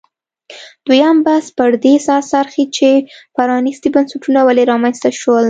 دویم بحث پر دې راڅرخي چې پرانیستي بنسټونه ولې رامنځته شول.